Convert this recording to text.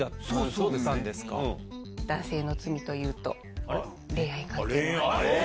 男性の罪というと恋愛関係。